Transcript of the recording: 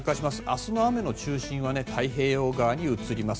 明日の雨の中心は太平洋側に移ります。